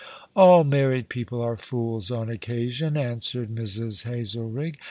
" "All married people are fools on occasion," answered Mrs. Hazelrigg.